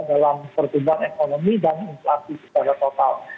dalam pertumbuhan ekonomi dan inflasi secara total